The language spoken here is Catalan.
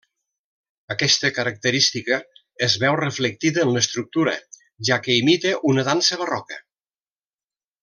Aquesta característica es veu reflectida en l'estructura, ja que imita una dansa barroca.